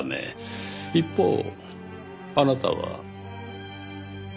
一方あなたは。